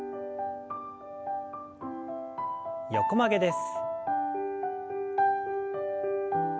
横曲げです。